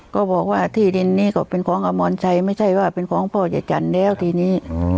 ก็บอกว่าที่ดินนี้ก็เป็นของอมรชัยไม่ใช่ว่าเป็นของพ่อยายจันทร์แล้วทีนี้